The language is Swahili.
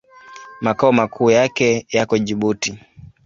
Makao makuu yake yako Jibuti.